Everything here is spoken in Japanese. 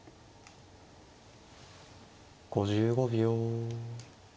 ５５秒。